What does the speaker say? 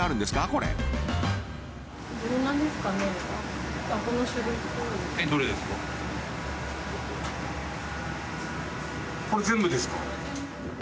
これ全部ですか？